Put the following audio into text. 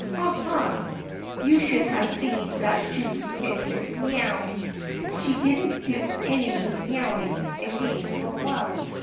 Ha ! ha ! You should have seen that shoe hit Miss Mee ow ! She did n't do any mee owing again for a while.